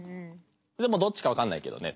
でもどっちか分かんないけどね。